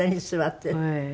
ええ。